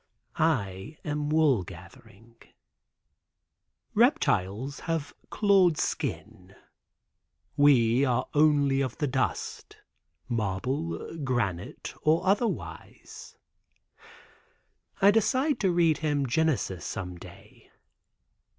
I am wool gathering. "Reptiles have clod skins. We are only of the dust—marble, granite or otherwise." I decide to read him Genesis some day.